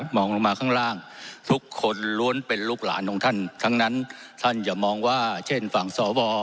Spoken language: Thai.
มองลงมาข้างล่างทุกคนล้วนเป็นลูกหลานของท่านทั้งนั้นท่านอย่ามองว่าเช่นฝั่งสว